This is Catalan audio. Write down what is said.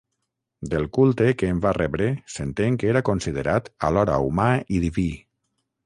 Del culte que en va rebre s'entén que era considerat alhora humà i diví.